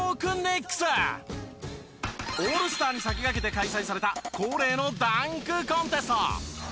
オールスターに先駆けて開催された恒例のダンクコンテスト。